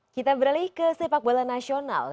kita beralih ke sepak bola nasional